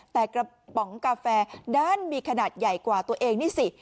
แต่กระป๋องกาแฟด้านมีขนาดใหญ่กว่าตัวเองนี่สิ